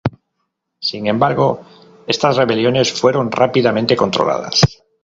Sin embargo, estas rebeliones fueron rápidamente controladas.